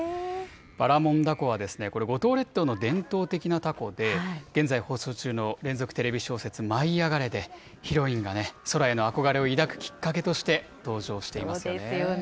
ばらもん凧はこれ、五島列島の伝統的なたこで、現在放送中の連続テレビ小説、舞いあがれ！でヒロインが空への憧れを抱くきっかけとして登場していますよね。